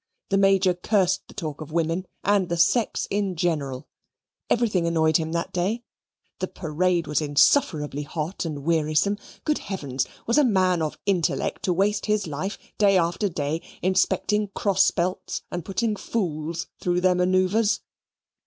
The Major cursed the talk of women, and the sex in general. Everything annoyed him that day the parade was insufferably hot and wearisome. Good heavens! was a man of intellect to waste his life, day after day, inspecting cross belts and putting fools through their manoeuvres?